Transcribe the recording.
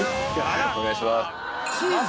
お願いします。